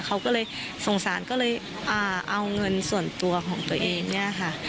เขาก็เลยสงสารก็เลยเอาเงินส่วนตัวของตัวเองเนี่ยค่ะ